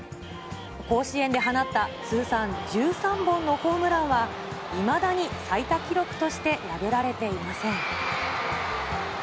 甲子園で放った通算１３本のホームランは、いまだに最多記録として破られていません。